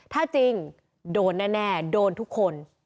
ถ้าจริงโดนแน่โดนทุกคน